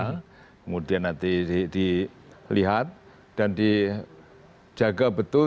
kemudian nanti dilihat dan dijaga betul